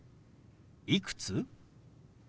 「いくつ？」。